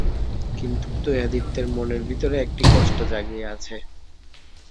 কিন্তু উদয়াদিত্যের মনের ভিতরে একটি কষ্ট জাগিয়া আছে।